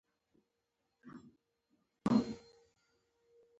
رسۍ د سختو وختونو یار ده.